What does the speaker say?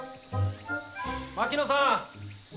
・槙野さん！